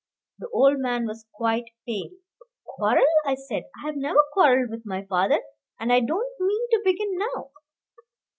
The old man was quite pale. "Quarrel!" I said. "I have never quarrelled with my father, and I don't mean to begin now."